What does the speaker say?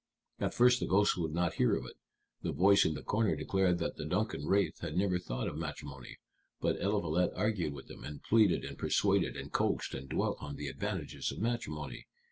At first the ghosts would not hear of it. The voice in the corner declared that the Duncan wraith had never thought of matrimony. But Eliphalet argued with them, and pleaded and pursuaded and coaxed, and dwelt on the advantages of matrimony.